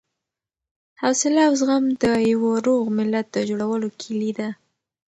حوصله او زغم د یوه روغ ملت د جوړولو کیلي ده.